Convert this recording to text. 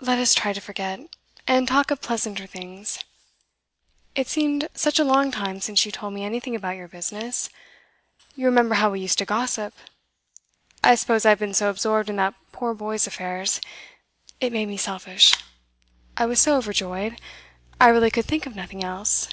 'Let us try to forget, and talk of pleasanter things. It seems such a long time since you told me anything about your business. You remember how we used to gossip. I suppose I have been so absorbed in that poor boy's affairs; it made me selfish I was so overjoyed, I really could think of nothing else.